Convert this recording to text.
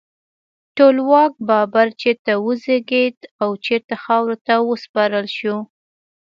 ټولواک بابر چیرته وزیږید او چیرته خاورو ته وسپارل شو؟